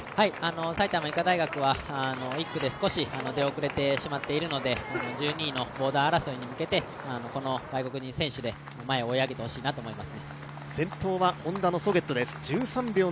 埼玉医科大学は１区で少し出遅れてしまっているので１２位のボーダー争いに向けて、この外国人選手で前を追い上げてほしいなと思います。